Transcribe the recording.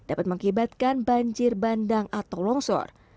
dapat mengakibatkan banjir bandang atau longsor